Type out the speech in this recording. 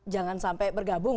jangan sampai bergabung